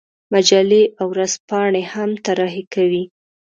مجلې او ورځپاڼې هم طراحي کوي.